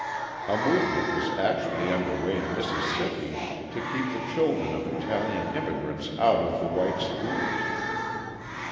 A movement is actually under way in Mississippi to keep the children of Italian immigrants out of the white schools.